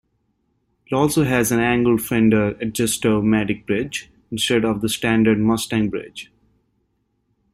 It also has an angled Fender adjusto-matic bridge instead of the standard Mustang bridge.